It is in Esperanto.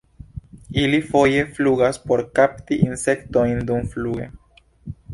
Ili foje flugas por kapti insektojn dumfluge.